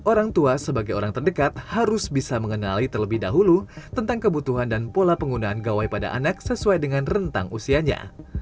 orang tua sebagai orang terdekat harus bisa mengenali terlebih dahulu tentang kebutuhan dan pola penggunaan gawai pada anak sesuai dengan rentang usianya